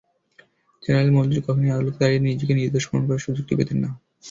General Manzur কখনোই আদালতে দাঁড়িয়ে নিজেকে নির্দোষ প্রমাণ করার সুযোগটি পেতেন না।